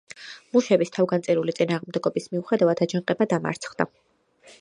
მუშების თავგანწირული წინააღმდეგობის მიუხედავად, აჯანყება დამარცხდა.